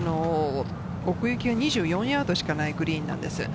奥行きが２４ヤードしかないグリーンなんです。